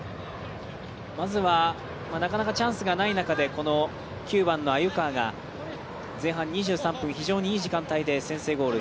まずはなかなかチャンスがない中でこの９番の鮎川が、前半２３分で非常にいい時間帯で先制ゴール。